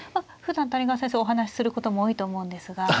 ふだん谷川先生お話しすることも多いと思うんですが。